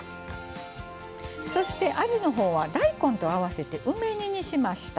そしてあじの方は大根と合わせて梅煮にしました。